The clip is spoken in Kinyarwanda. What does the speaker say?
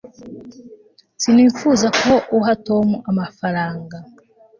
sinifuzaga ko uha tom amafaranga